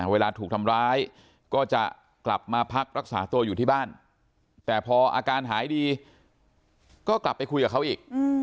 เวลาถูกทำร้ายก็จะกลับมาพักรักษาตัวอยู่ที่บ้านแต่พออาการหายดีก็กลับไปคุยกับเขาอีก